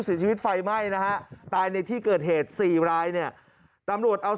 เสียชีวิตไฟไหม้นะฮะตายในที่เกิดเหตุสี่รายเนี่ยตำรวจเอา